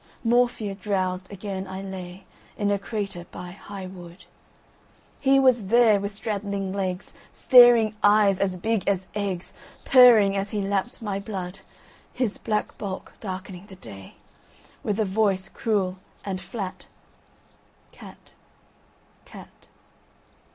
…"Morphia drowsed, again I layIn a crater by High Wood:He was there with straddling legs, Staring eyes as big as eggs, Purring as he lapped my blood, His black bulk darkening the day, With a voice cruel and flat,"Cat!… Cat!